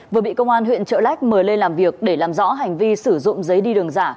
vừa bị công an huyện trợ lách mời lên làm việc để làm rõ hành vi sử dụng giấy đi đường giả